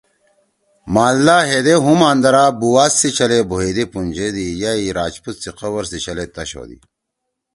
مالدا ہیدے ہُم آندرا بُوآزسی چھلے بُھوئے دے پونجَدی یا یی راجپوپ سی قَور سی چھلے تش ہودی۔